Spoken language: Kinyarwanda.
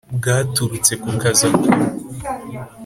Bwaturutse ku kazi akora